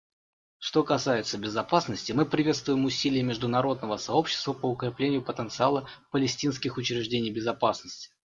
Что касается безопасности, мы приветствуем усилия международного сообщества по укреплению потенциала палестинских учреждений безопасности.